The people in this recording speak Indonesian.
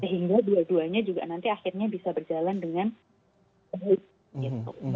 sehingga dua duanya juga nanti akhirnya bisa berjalan dengan baik